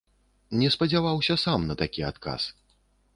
Не спадзяваўся сам на такі адказ.